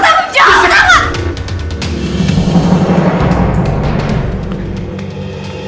gua harus tahu jawab sama lu